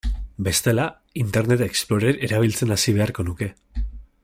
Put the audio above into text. Bestela, Internet Explorer erabiltzen hasi beharko nuke.